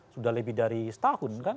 sudah lebih dari setahun kan